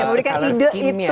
kalau di sini kan tidak itu ya